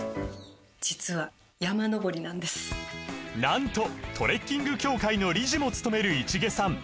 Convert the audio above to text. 実はなんとトレッキング協会の理事もつとめる市毛さん